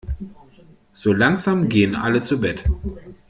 So langsam gehen alle zu Bett.